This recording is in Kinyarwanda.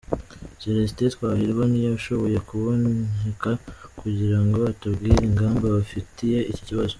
Celestin Twahirwa ntiyashoboye kuboneka kugira ngo atubwire ingamba bafitiye iki kibazo.